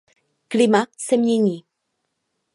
Klima se mění.